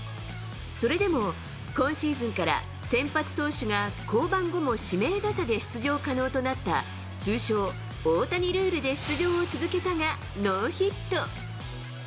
それでも今シーズンから、先発投手が降板後も指名打者で出場可能となった通称、大谷ルールで出場を続けたがノーヒット。